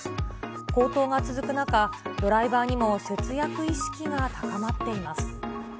高騰が続く中、ドライバーにも節約意識が高まっています。